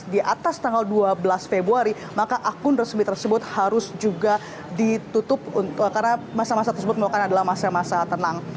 di atas tanggal dua belas februari maka akun resmi tersebut harus juga ditutup karena masa masa tersebut merupakan adalah masa masa tenang